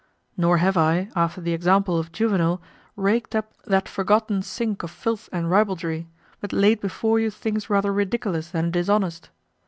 Nor have I, after the example of Juvenal, raked up that forgotten sink of filth and ribaldry, but laid before you things rather ridiculous than dishonest.